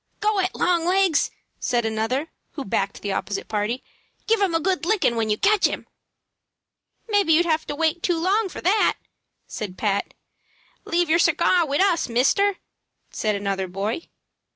"Go it, long legs!" said another, who backed the opposite party. "Give him a good lickin' when you catch him." "Maybe you'd have to wait too long for that," said Pat. "Leave yer cigar wid us, mister," said another boy.